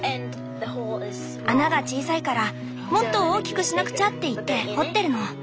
穴が小さいからもっと大きくしなくちゃって言って掘ってるの。